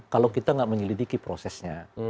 kalau kita nggak menyelidiki prosesnya